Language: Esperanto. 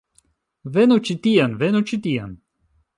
Venu ĉi tien. Venu ĉi tien.